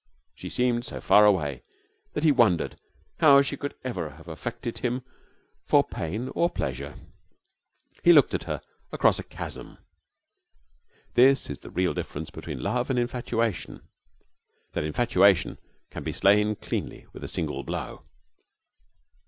She seemed so far away that he wondered how she could ever have affected him for pain or pleasure. He looked at her across a chasm. This is the real difference between love and infatuation, that infatuation can be slain cleanly with a single blow.